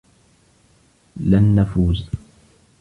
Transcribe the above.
لن نفوز.